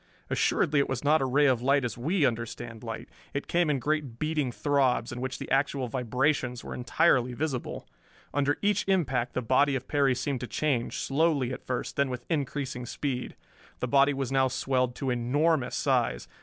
Assuredly it was not a ray of light as we understand light. It came in great beating throbs, in which the actual vibrations were entirely visible. Under each impact the body of Perry seemed to change, slowly at first, then with increasing speed. The body was now swelled to enormous size.